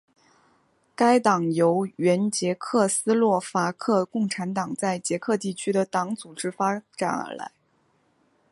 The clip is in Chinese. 该党由原捷克斯洛伐克共产党在捷克地区的党组织发展而来。